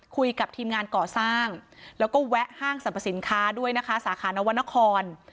คุยกับทีมงานก่อสร้างแล้วก็แวะห้างสรรพสินค้าด้วยนะคะสาขานวรรณคร